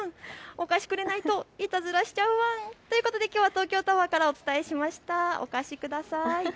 お菓子くれないといたずらしちゃうワンということできょうは東京タワーからお伝えしました。